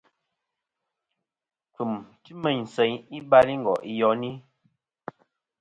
Kfɨ̀m ti meyn seyn i balingo' iyoni.